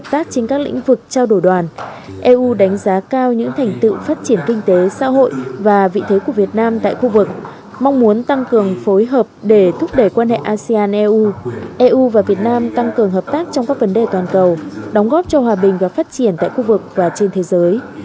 tác trên các lĩnh vực trao đổi đoàn eu đánh giá cao những thành tựu phát triển kinh tế xã hội và vị thế của việt nam tại khu vực mong muốn tăng cường phối hợp để thúc đẩy quan hệ asean eu eu và việt nam tăng cường hợp tác trong các vấn đề toàn cầu đóng góp cho hòa bình và phát triển tại khu vực và trên thế giới